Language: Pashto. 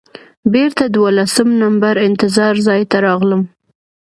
بېرته دولسم نمبر انتظار ځای ته راغلم.